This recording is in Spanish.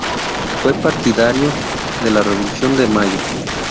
Fue partidario de la Revolución de Mayo.